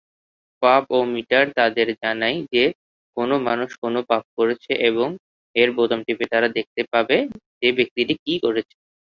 পাপ-ও-মিটার তাদের জানায় যে কোনও মানুষ কোনও পাপ করেছে এবং এর বোতাম টিপে তারা দেখতে পাবে যে ব্যক্তিটি কী করেছে।